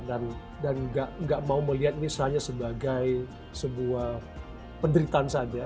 dan tidak mau melihat ini hanya sebagai sebuah penderitaan saja